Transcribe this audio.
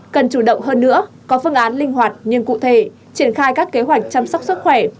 cần chủ động hơn nữa có phương án linh hoạt nhưng cụ thể triển khai các kế hoạch chăm sóc sức khỏe